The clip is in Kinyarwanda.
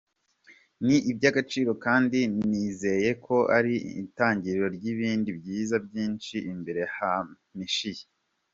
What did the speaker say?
Ni iby’agaciro kandi nizeye ko ari itangiriro ry’ibindi byiza byinshi imbere hampishiye.